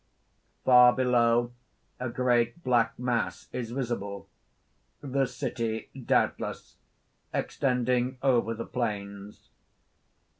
Far below a great black mass is visible the city, doubtless extending over the plains.